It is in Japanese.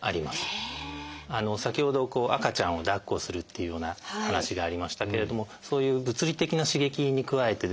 先ほど赤ちゃんをだっこするっていうような話がありましたけれどもそういう物理的な刺激に加えてですね